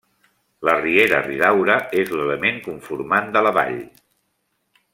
La riera Ridaura és l'element conformant de la vall.